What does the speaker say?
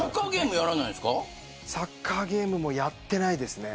サッカーゲームやってないですね。